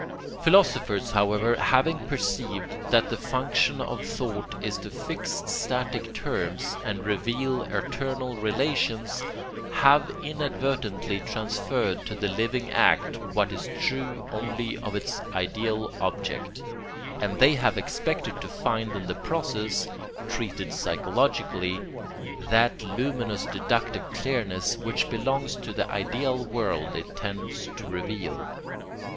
Philosophers, however, having perceived that the function of thought is to fix static terms and reveal eternal relations, have inadvertently transferred to the living act what is true only of its ideal object; and they have expected to find in the process, treated psychologically, that luminous deductive clearness which belongs to the ideal world it tends to reveal.